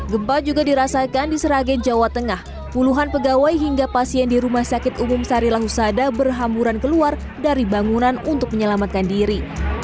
gempa juga dirasakan di seraget jawa tengah puluhan pegawai hingga pasien di rsud berhamburan keluar dari bangunan untuk menyelamatkan diri